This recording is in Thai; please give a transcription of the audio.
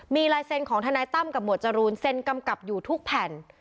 มีลายเซ็นต์ของทนายตั้มกับหมวดจรูนเซ็นกำกับอยู่ทุกแผ่น